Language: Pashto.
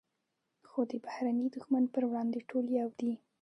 خو د بهرني دښمن پر وړاندې ټول یو دي.